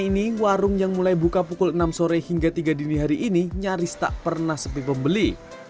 kini warung yang mulai buka pukul enam sore hingga tiga dini hari ini nyaris tak pernah sepi pembeli